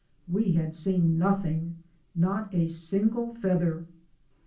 We had seen nothing — not a single feather.